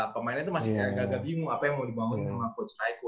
pemainnya tuh masih agak bingung apa yang mau dibawain sama coach rajko